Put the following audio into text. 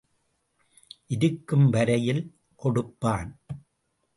இருக்கும் வரையில் கொடுப்பான்.